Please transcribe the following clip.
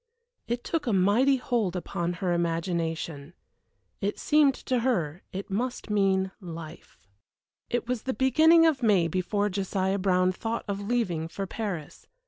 It took a mighty hold upon her imagination. It seemed to her it must mean Life. It was the beginning of May before Josiah Brown thought of leaving for Paris.